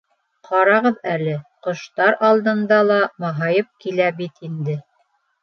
Ҡарагыҙ әле, ҡоштар алдында ла маһайып килә бит инде.